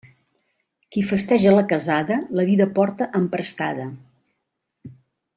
Qui festeja la casada, la vida porta emprestada.